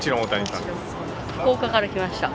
福岡から来ました。